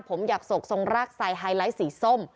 ผมอยากโศกทรงรากไซดไฮไลท์สีส้ม